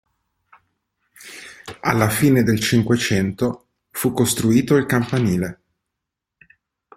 Alla fine del Cinquecento fu costruito il campanile.